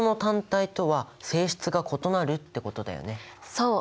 そう！